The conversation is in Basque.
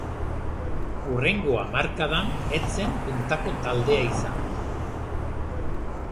Hurrengo hamarkadan ez zen puntako taldea izan.